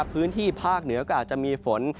พื้นที่ภาคเหนือก็อาจจะมีฝน